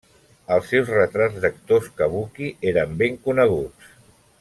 Els seus retrats d'actors kabuki eren ben coneguts.